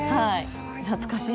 懐かしい。